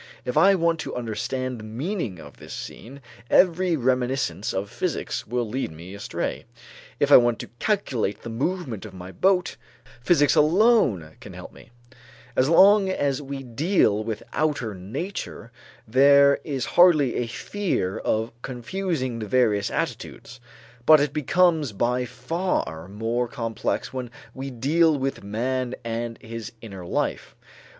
If I want to understand the meaning of this scene every reminiscence of physics will lead me astray; if I want to calculate the movement of my boat, physics alone can help me. As long as we deal with outer nature, there is hardly a fear of confusing the various attitudes; but it becomes by far more complex when we deal with man and his inner life.